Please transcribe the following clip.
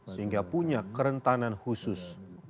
sehingga punya kerentanan khusus